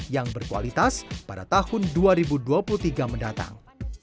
yang berkualitas pada tahun dua ribu dua puluh tiga mendatang